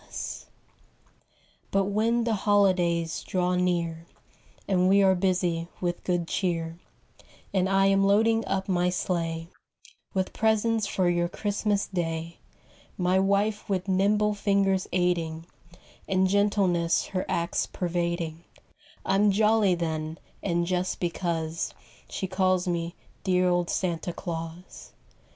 '" C ' S '^!' S > jn|B r*5v;'j ll 1 S I 1 1 1 1^*1 Copyrighted, 1897 lUT when the holidays draw near And we are busy with good cheer, And I am loading up my sleigh With presents for your Christmas Day, My wife with nimble fingers aiding, And gentleness her acts pervading, I'm jolly then, and just because She calls me 'dear old Santa Claus.